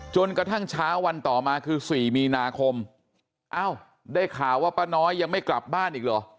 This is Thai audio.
จนกระทั่งเช้าวันต่อมาคือ๔มีนาคมเอ้าได้ข่าวว่าป้าน้อยยังไม่กลับบ้านอีกเหรอ